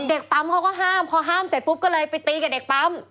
ปั๊มเขาก็ห้ามพอห้ามเสร็จปุ๊บก็เลยไปตีกับเด็กปั๊ม